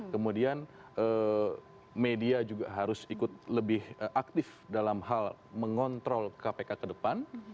kemudian media juga harus ikut lebih aktif dalam hal mengontrol kpk ke depan